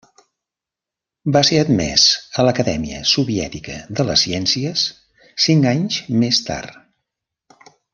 Va ser admès a l'Acadèmia Soviètica de les Ciències cinc anys més tard.